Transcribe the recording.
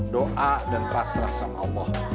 doa dan pasrah sama allah